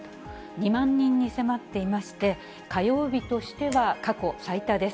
２万人に迫っていまして、火曜日としては過去最多です。